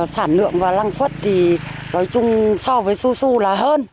sản lượng và lăng suất thì nói chung so với su su là hơn